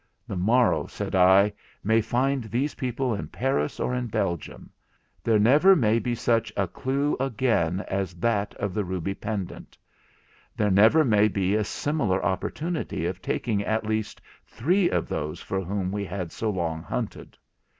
The morrow, said I, may find these people in Paris or in Belgium; there never may be such a clue again as that of the ruby pendant—there never may be a similar opportunity of taking at least three of those for whom we had so long hunted.